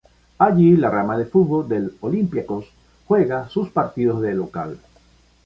Allí la rama de fútbol del Olympiacos juega sus partidos de local.